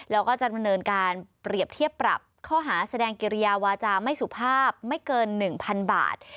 แล้วก็จำนวนเนินการเปรียบเทียบปรับข้อหาแสดงเกรียววาจาไม่สุภาพไม่เกินหนึ่งพันบาท